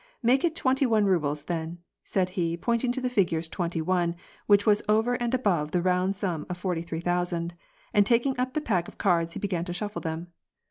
Make it twenty one rubles then," said he point ing to the figures twenty one, which was over and above the round sum of forty three thousand, and taking up the pack of cards, he began to shuffle them.